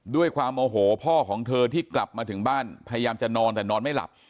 ด้วยความโอโหพ่อของเธอที่กลับมาถึงบ้านพยายามจะนอนแต่นอนไม่หลับ